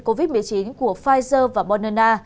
covid một mươi chín của pfizer và moderna